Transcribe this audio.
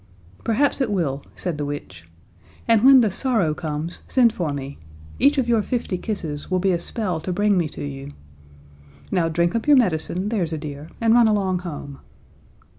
"Perhaps it will," said the witch, "and when the sorrow comes, send for me. Each of your fifty kisses will be a spell to bring me to you. Now, drink up your medicine, there's a dear, and run along home."